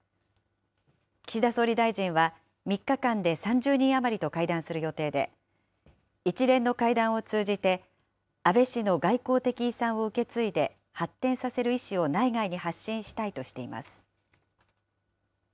岸田総理大臣は、３日間で３０人余りと会談する予定で、一連の会談を通じて、安倍氏の外交的遺産を受け継いで、発展させる意思を内外に発信したいとしています。